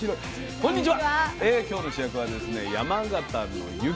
こんにちは。